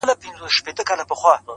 بيا چي يخ سمال پټيو څخه راسي،